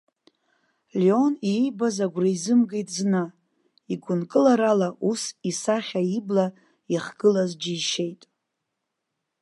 Леон иибоз агәра изымгеит зны, игәынкыларала ус исахьа ибла ихгылаз џьишьеит.